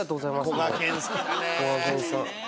こがけんさん。